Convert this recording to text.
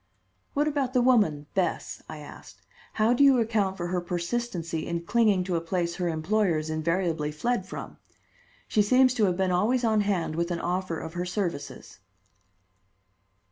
"What about the woman, Bess?" I asked. "How do you account for her persistency in clinging to a place her employers invariably fled from? She seems to have been always on hand with an offer of her services."